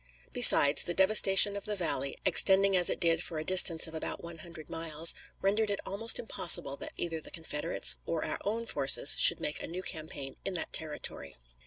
Besides, the devastation of the valley, extending as it did for a distance of about one hundred miles, rendered it almost impossible that either the Confederates or our own forces should make a new campaign in that territory.